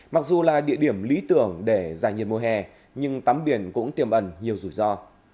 mặc dù là địa điểm lý tưởng để giải nhiệt mùa hè nhưng tắm biển cũng tiềm ẩn nhiều rủi ro